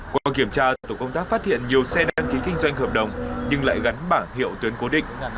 qua kiểm tra tổ công tác phát hiện nhiều xe đăng ký kinh doanh hợp đồng nhưng lại gắn bảng hiệu tuyến cố định